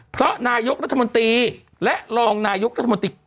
เพราะนายกรัฐมนตรีและรองนายกรัฐมนตรี